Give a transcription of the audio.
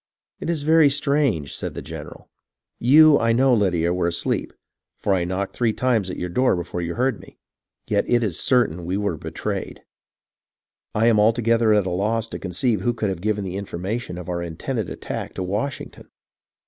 " It is very strange," said the general. " You, I know, Lydia, were asleep, for I knocked three times at your door before you heard me ; yet it is certain we were betrayed. I am altogether at a loss to conceive who could have given the information of our intended attack to Washington.